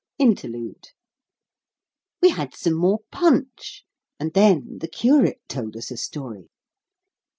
INTERLUDE We had some more punch, and then the curate told us a story.